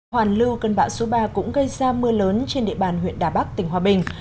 hoàn lưu cơn bão số ba cũng gây ra mưa lớn trên địa bàn huyện đà bắc tỉnh hòa bình